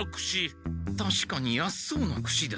たしかに安そうなクシです。